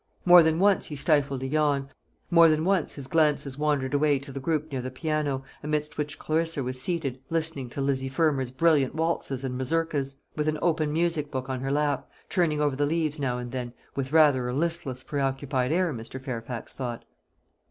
More than once he stifled a yawn more than once his glances wandered away to the group near the piano, amidst which Clarissa was seated, listening to Lizzy Fermor's brilliant waltzes and mazurkas, with an open music book on her lap, turning over the leaves now and then, with rather a listless pre occupied air, Mr. Fairfax thought.